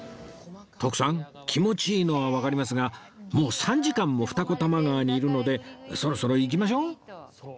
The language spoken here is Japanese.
徳さん気持ちいいのはわかりますがもう３時間も二子玉川にいるのでそろそろ行きましょう